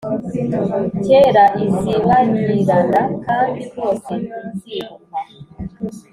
kera izibagirana kandi rwose ntizibukwa